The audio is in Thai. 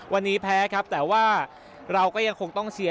วันนี้แพ้ครับแต่ว่าเราก็ยังคงต้องเชียร์